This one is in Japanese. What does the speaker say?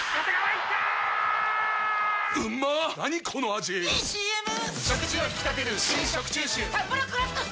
⁉いいＣＭ！！